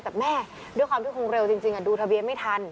แต่แม่ด้วยความที่คงเร็วจริงดูทะเบียนไม่ทัน